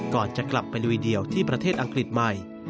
ก่อนจะกลับไปลุยเดียวที่ประเทศอังกฤษใหม่